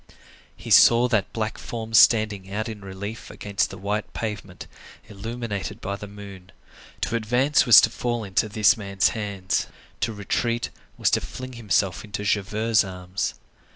He saw that black form standing out in relief against the white pavement, illuminated by the moon; to advance was to fall into this man's hands; to retreat was to fling himself into Javert's arms.